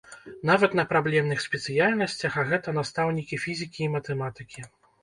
Нават на праблемных спецыяльнасцях, а гэта настаўнікі фізікі і матэматыкі.